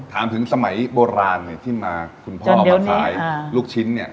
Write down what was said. ถามถึงสมัยโบราณที่มาคุณพ่อมาขายลูกชิ้นเนี่ย